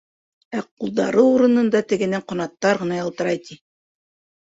Ә ҡулдары урынында тегенең ҡанаттар ғына ялтырай, ти.